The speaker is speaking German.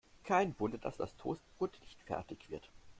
Kein Wunder, dass das Toastbrot nicht fertig wird.